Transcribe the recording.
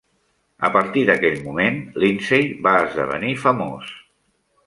A partir d'aquell moment, Lindsay va esdevenir famós.